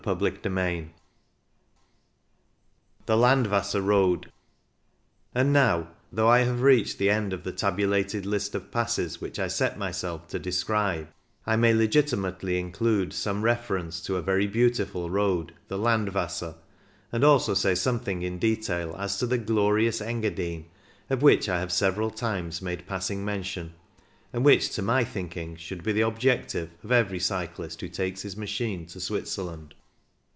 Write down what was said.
CHAPTER XII THE LANDWASSER ROAD And now, though I have reached the end of the tabulated list of passes which I set myself to describe, I may legitimately in clude some reference to a very beautiful road, the Landwasser, and also say some thing in detail as to the glorious Engadine of which I have several times made pass ing mention, and which to my thinking should be the objective of every cyclist who takes his machine to Switzerland.